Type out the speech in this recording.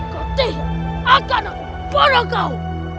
kau tidak akan membunuh kau